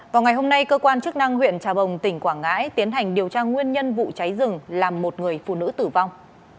vào ngày hôm nay cơ quan chức năng huyện trà bồng tỉnh quảng ngãi tiến hành điều tra nguyên nhân vụ cháy rừng làm một người phụ nữ tử vong